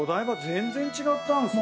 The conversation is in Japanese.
全然違ったんすね。